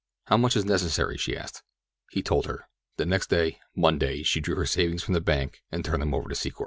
"How much is necessary?" she asked. He told her. The next day, Monday, she drew her savings from the bank and turned them over to Secor.